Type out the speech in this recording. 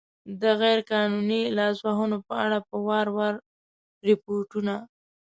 د غیر قانوني لاسوهنو په اړه په وار وار ریپوټون